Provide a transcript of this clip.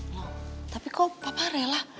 nah tapi kok papa rela